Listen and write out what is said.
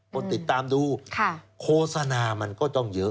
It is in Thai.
คนติดตามดูโฆษณามันก็ต้องเยอะ